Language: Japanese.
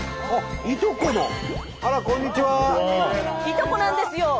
いとこなんですよ！